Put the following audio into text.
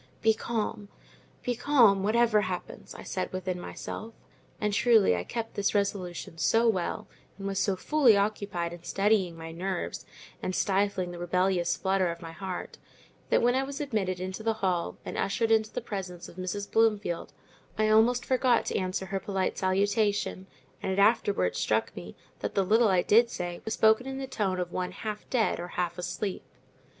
"Be calm, be calm, whatever happens," I said within myself; and truly I kept this resolution so well, and was so fully occupied in steadying my nerves and stifling the rebellious flutter of my heart, that when I was admitted into the hall and ushered into the presence of Mrs. Bloomfield, I almost forgot to answer her polite salutation; and it afterwards struck me, that the little I did say was spoken in the tone of one half dead or half asleep.